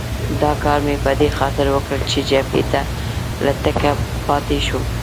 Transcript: دا کار مې په دې خاطر وکړ چې جبهې ته له تګه پاتې شم.